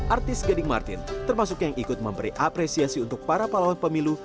artis gading martin termasuk yang ikut memberi apresiasi untuk para pahlawan pemilu